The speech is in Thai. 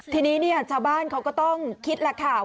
ทีนี้ชาวบ้านเขาก็ต้องคิดแหละค่ะ